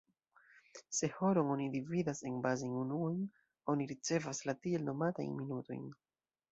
Se horon oni dividas en bazajn unuojn, oni ricevas la tiel nomatajn "minutojn".